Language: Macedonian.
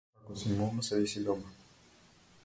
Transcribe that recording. Ако си мома, седи си дома.